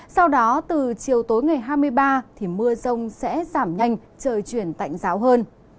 sau đó từ chiều tối ngày hai mươi ba mưa rông sẽ giảm nhanh trời chuyển tạnh ráo hơn